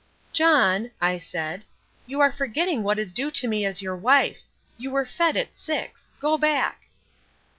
"John," I said, "you are forgetting what is due to me as your wife. You were fed at six. Go back."